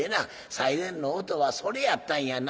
最前の音はそれやったんやな。